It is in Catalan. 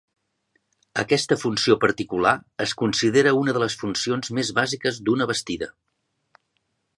Aquesta funció particular es considera una de les funcions més bàsiques d'una bastida.